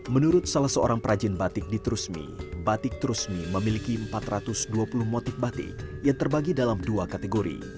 menurut salah seorang perajin batik di trusmi batik trusmi memiliki empat ratus dua puluh motif batik yang terbagi dalam dua kategori